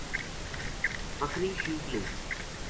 بکری شیک لئی